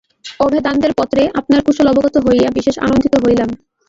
অভেদানন্দের পত্রে আপনার কুশল অবগত হইয়া বিশেষ আনন্দিত হইলাম।